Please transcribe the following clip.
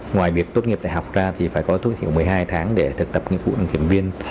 ngoài việc tốt nghiệp đại học ra thì phải có tốt hiểu một mươi hai tháng để thực tập những vụ đăng kiểm viên